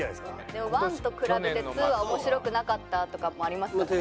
でも「１」と比べて「２」は面白くなかったとかもありますからね。